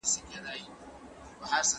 د پښتو لپاره باید یو لغتلیک جوړ کړل سي.